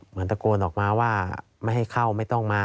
ตะโกนออกมาว่าไม่ให้เข้าไม่ต้องมา